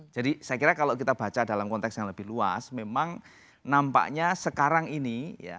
jadi saya kira kalau kita baca dalam konteks yang lebih luas memang nampaknya sekarang ini